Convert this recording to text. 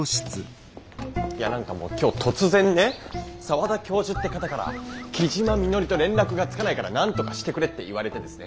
いや何かもう今日突然ね澤田教授って方から木嶋みのりと連絡がつかないからなんとかしてくれって言われてですね